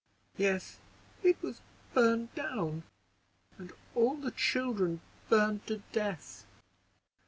"Yes, it was burned down, and all the children burned to death!"